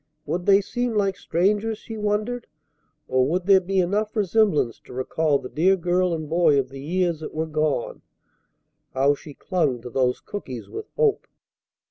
Would they seem like strangers, she wondered, or would there be enough resemblance to recall the dear girl and boy of the years that were gone? How she clung to those cookies with hope!